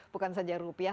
bukan saja rupiah